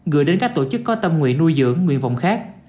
gửi đến các tổ chức có tâm nguyện nuôi dưỡng nguyện vọng khác